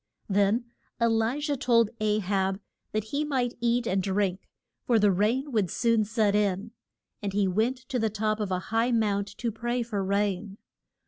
Then E li jah told A hab that he might eat and drink, for the rain would soon set in. And he went to the top of a high mount to pray for rain.